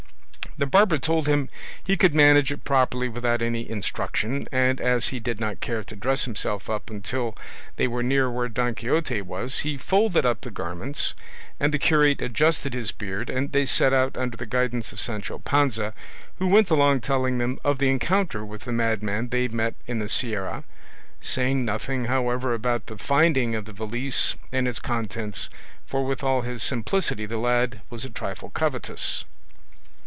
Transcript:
The barber told him he could manage it properly without any instruction, and as he did not care to dress himself up until they were near where Don Quixote was, he folded up the garments, and the curate adjusted his beard, and they set out under the guidance of Sancho Panza, who went along telling them of the encounter with the madman they met in the Sierra, saying nothing, however, about the finding of the valise and its contents; for with all his simplicity the lad was a trifle covetous.